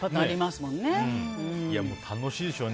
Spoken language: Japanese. もう、楽しいでしょうね。